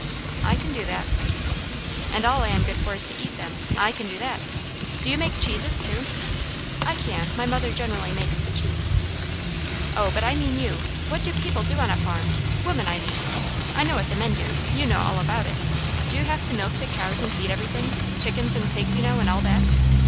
"I can do that." "And all I am good for is to eat them! I can do that. Do you make cheeses too?" "I can. My mother generally makes the cheese." "O, but I mean you. What do people do on a farm? women, I mean. I know what the men do. You know all about it. Do you have to milk the cows and feed everything? chickens and pigs, you know, and all that?"